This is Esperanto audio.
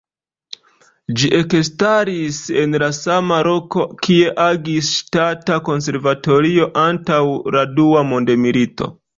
Ĝi ekstaris en la sama loko kie agis Ŝtata Konservatorio antaŭ la dua mondmilito.